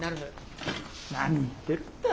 何言ってるんだ。